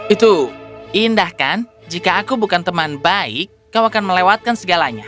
itu indah kan jika aku bukan teman baik kau akan melewatkan segalanya